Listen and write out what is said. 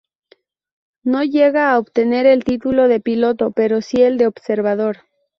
No llega a obtener el título de piloto, pero sí el de observador.